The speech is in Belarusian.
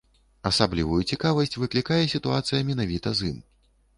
Асаблівую цікавасць выклікае сітуацыя менавіта з ім.